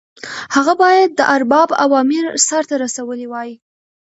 هغه باید د ارباب اوامر سرته رسولي وای.